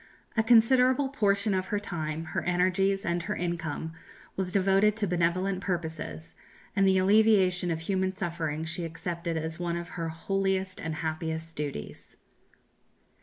A considerable portion of her time, her energies, and her income was devoted to benevolent purposes, and the alleviation of human suffering she accepted as one of her holiest and happiest duties.